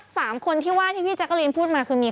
ให้อ่านได้ไม่เข้าใจ